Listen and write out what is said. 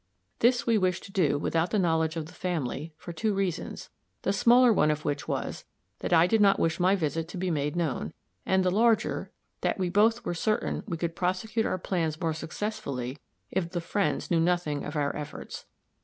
This we wished to do without the knowledge of the family, for two reasons: the smaller one of which was, that I did not wish my visit to be made known, and the larger, that we both were certain we could prosecute our plans more successfully if the friends knew nothing of our efforts.